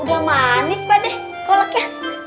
udah manis banget deh koloknya